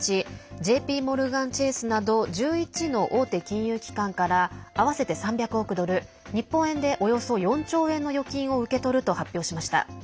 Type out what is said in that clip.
ＪＰモルガン・チェースなど１１の大手金融機関から合わせて３００億ドル日本円で、およそ４兆円の預金を受け取ると発表しました。